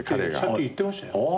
さっき言ってましたよ。